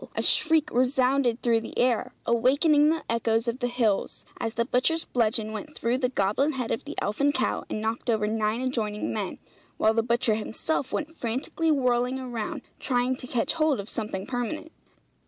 a shriek resounded through the air, awakening the echoes of the hills, as the butcher's bludgeon went through the goblin head of the elfin cow, and knocked over nine adjoining men, while the butcher himself went frantically whirling around trying to catch hold of something permanent.